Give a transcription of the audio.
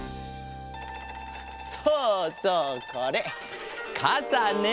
そうそうこれかさね！